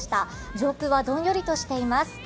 上空はどんよりとしています。